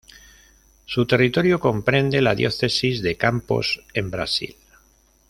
Su territorio comprende la diócesis de Campos en Brasil.